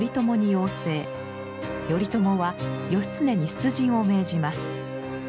頼朝は義経に出陣を命じます。